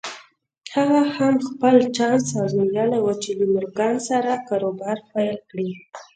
هغه هم خپل چانس ازمايلی و چې له مورګان سره کاروبار پيل کړي.